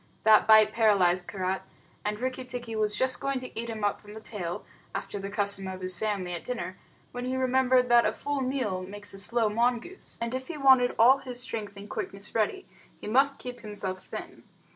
That bite paralyzed Karait, and Rikki tikki was just going to eat him up from the tail, after the custom of his family at dinner, when he remembered that a full meal makes a slow mongoose, and if he wanted all his strength and quickness ready, he must keep himself thin.